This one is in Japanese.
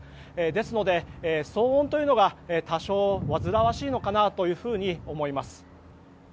ですので、騒音が多少煩わしいのかなと思います。